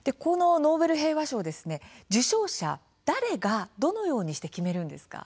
ノーベル平和賞受賞者は誰がどのように決めるんですか。